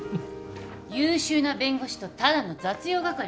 優秀な弁護士とただの雑用係よ。